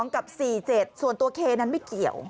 กับ๔๗ส่วนตัวเคนั้นไม่เกี่ยว